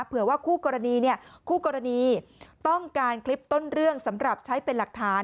เผื่อว่าคู่กรณีคู่กรณีต้องการคลิปต้นเรื่องสำหรับใช้เป็นหลักฐาน